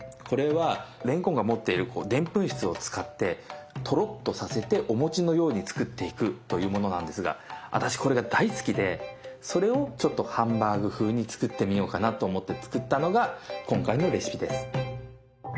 これはれんこんが持っているでんぷん質を使ってトロッとさせてお餅のように作っていくというものなんですが私これが大好きでそれをハンバーグ風に作ってみようかなと思って作ったのが今回のレシピです。